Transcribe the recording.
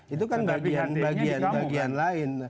itu kan bagian bagian lain